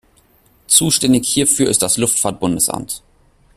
Zuständig hierfür ist das Luftfahrt-Bundesamt.